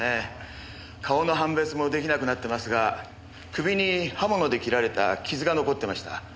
顔の判別も出来なくなってますが首に刃物で切られた傷が残ってました。